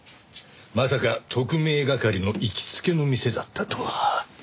まさか特命係の行きつけの店だったとは。